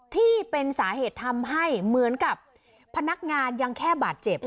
ที่เป็นสาเหตุทำให้เหมือนกับพนักงานยังแค่บาดเจ็บ